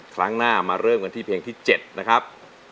ครั้งหน้ามาเริ่มกันที่เพลงที่๗นะครับ